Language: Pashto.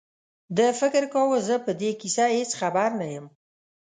ده فکر کاوه زه په دې کیسه هېڅ خبر نه یم.